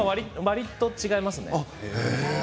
わりと違いますね。